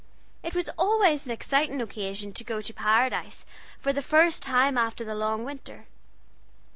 It was always an exciting occasion to go to Paradise for the first time after the long winter.